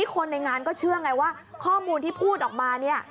คนในงานก็เชื่อไงว่าข้อมูลที่พูดออกมาเนี่ย